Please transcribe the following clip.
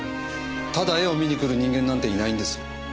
ただ絵を見に来る人間なんていないんですよ。